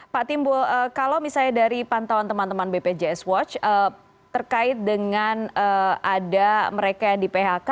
pak timbul kalau misalnya dari pantauan teman teman bpjs watch terkait dengan ada mereka yang di phk